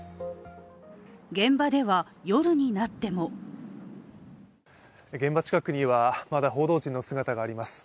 現場では夜になっても現場近くはまだ報道陣の姿があります。